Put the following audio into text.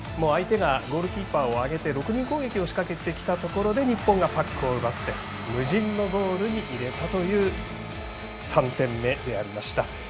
相手がゴールキーパーを上げて６人攻撃を仕掛けてきたところで日本がパックを奪って無人のゴールに入れたという３点目でありました。